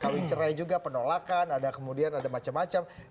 kawin cerai juga penolakan ada kemudian ada macam macam